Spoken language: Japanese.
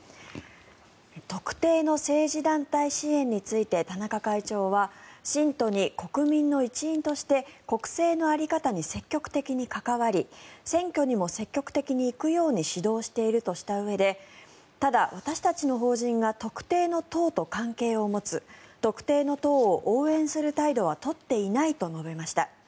特定の政治団体支援について田中会長は信徒に国民に一員として国政の在り方に積極的に関わり選挙にも積極的に行くように指導しているとしたうえでただ、私たちの法人が特定の党と関係を持つ特定の党を応援する態度は取っていないと述べました。